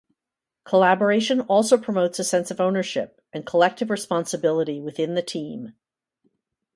Collaboration also promotes a sense of ownership and collective responsibility within the team.